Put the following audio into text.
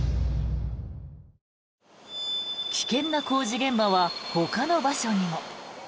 危険な工事現場はほかの場所にも。